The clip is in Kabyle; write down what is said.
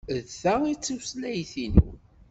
D ta ay d tutlayt-inu.